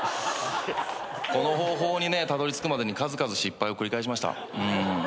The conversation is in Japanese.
この方法にたどり着くまでに数々失敗を繰り返しました。